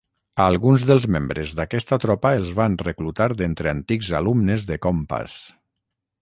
A alguns dels membres d'aquesta tropa els van reclutar d'entre antics alumnes de Compass.